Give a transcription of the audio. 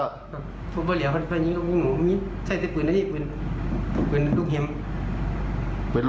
พี่ละชนยิ้มน่ะยิ้มยิ้มน่ะยืนกากไงเออ